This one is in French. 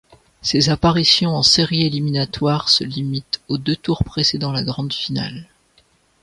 Ses apparitions en Séries éliminatoires se limitent aux deux tours précédents la grande finale.